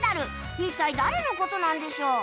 一体誰の事なんでしょう？